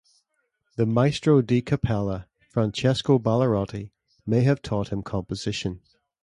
The "maestro di cappella", Francesco Ballarotti, may have taught him composition.